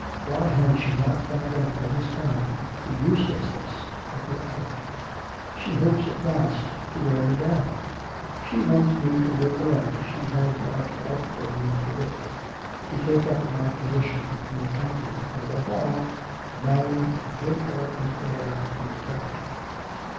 Why has she not found out by this time the uselessness of her effort? She hopes at last to wear me down. She wants me to live the life she has marked out for me to live to take up my position in the county, and, above all, to marry and give her an heir to the property.